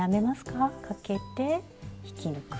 かけて引き抜く。